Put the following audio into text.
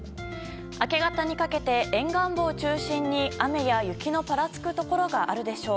明け方にかけて沿岸部を中心に雨や雪のぱらつくところがあるでしょう。